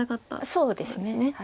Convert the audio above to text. そうですね。